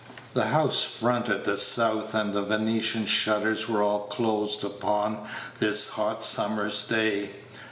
The house fronted the south, and the Venetian shutters were all closed upon this hot summer's day.